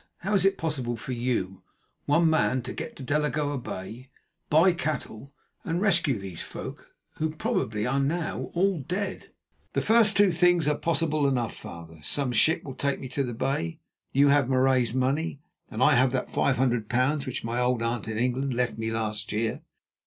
"How is it possible for you, one man, to get to Delagoa Bay, buy cattle, and rescue these folk, who probably are now all dead?" "The first two things are possible enough, father. Some ship will take me to the Bay. You have Marais's money, and I have that five hundred pounds which my old aunt in England left me last year.